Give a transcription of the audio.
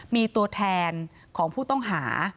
มีตัวแทนของผู้ต้องหา